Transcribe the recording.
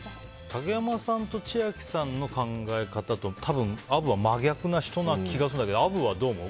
竹山さんと千秋さんの考え方とアブは真逆な人な気がするけどアブはどう思う？